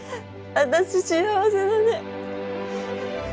私幸せだね